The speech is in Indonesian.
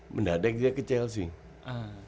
mendadak dia ke chelsea